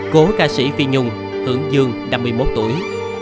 cố ca sĩ phi nhung hưởng dương năm mươi một tuổi